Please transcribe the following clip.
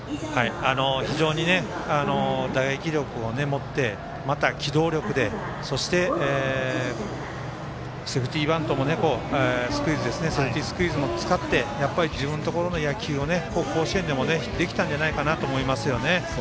非常に打撃力を持ってまた機動力でそしてセーフティースクイズも使って自分のところの野球を甲子園でもできたんじゃないかと思います。